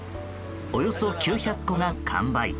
およそ９００個が完売。